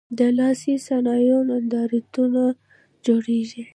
د لاسي صنایعو نندارتونونه جوړیږي؟